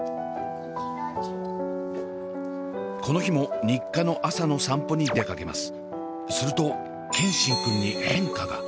この日も日課の朝の散歩に出かけます。